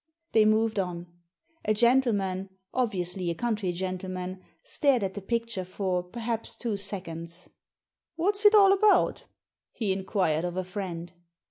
They moved on. A gentleman — obviously a country gentleman — stared at the picture for, perhaps, two seconds. "What's it all about?" he inquired of a friend.